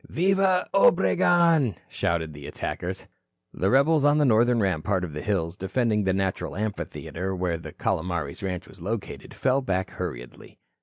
"Viva, Obregon," shouted the attackers. The rebels on the northern rampart of hills defending the natural amphitheatre where the Calomares ranch was located, fell back hurriedly.